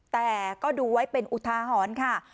แต่ก็ดูไว้เป็นอุทาหรณ์ค่ะ